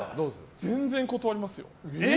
全然断りますよ。